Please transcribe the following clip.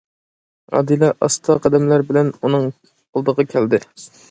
ئادىلە ئاستا قەدەملەر بىلەن ئۇنىڭ ئالدىغا كەلدى.